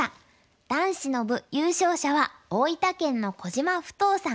男子の部優勝者は大分県の小島二十さん。